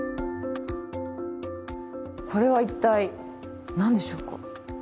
これはいったい何でしょうか？